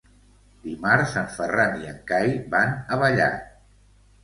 Dimarts en Ferran i en Cai van a Vallat.